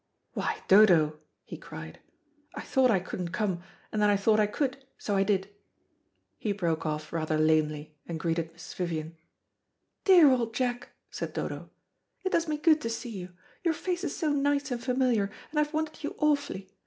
"Why, Dodo," he cried, "I thought I couldn't come, and then I thought I could, so I did." He broke off rather lamely, and greeted Mrs. Vivian. "Dear old Jack," said Dodo, "it does me good to see you. Your face is so nice and familiar, and I've wanted you awfully.